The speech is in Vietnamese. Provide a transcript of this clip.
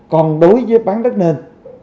còn đối với bán đất nền